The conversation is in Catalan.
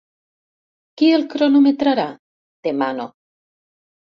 Qui el cronometrarà? —demano.